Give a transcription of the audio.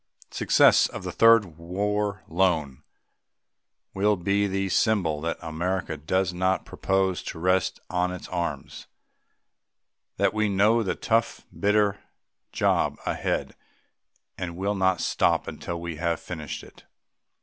Success of the Third War Loan will be the symbol that America does not propose to rest on its arms that we know the tough, bitter job ahead and will not stop until we have finished it.